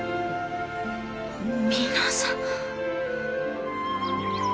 皆さん。